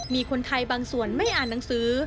มีคนไทยบางส่วนไม่อ่านหนังสือ